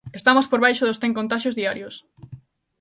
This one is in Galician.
Estamos por baixo dos cen contaxios diarios.